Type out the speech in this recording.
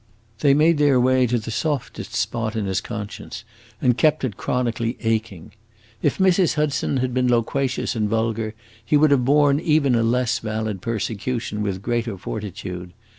They made their way to the softest spot in his conscience and kept it chronically aching. If Mrs. Hudson had been loquacious and vulgar, he would have borne even a less valid persecution with greater fortitude.